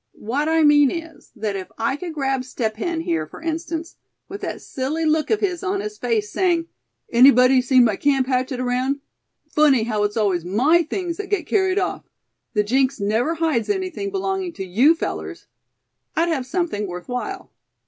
What I mean is, that if I could grab Step Hen here, for instance, with that silly look of his on his face, saying: 'Anybody seen my camp hatchet around? Funny how it's always my things that get carried off! The jinx never hides anything belonging to you fellers!' I'd have something worth while."